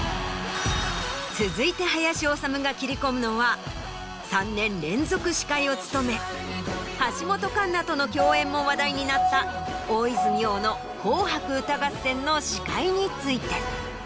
続いて林修が切り込むのは３年連続司会を務め橋本環奈との共演も話題になった大泉洋の『紅白歌合戦』の司会について。